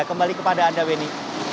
kembali kepada anda benny